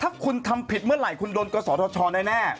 ถ้าคุณทำผิดเมื่อไหร่คุณโดนกศธชแน่